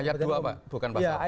ayat dua pak bukan pasal dua